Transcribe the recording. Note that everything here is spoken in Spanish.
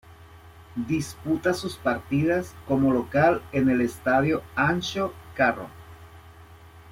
Disputa sus partidos como local en el estadio Anxo Carro.